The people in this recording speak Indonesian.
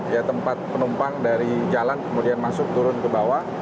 ya tempat penumpang dari jalan kemudian masuk turun ke bawah